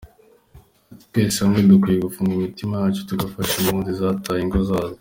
Ati “Twese hamwe dukwiye gufungura imitima yacu tugafasha impunzi zataye ingo zazo.